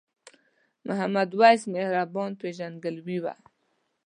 محمد وېس مهربان پیژندګلوي وه.